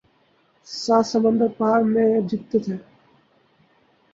سات سمندر پار میں جدت ہے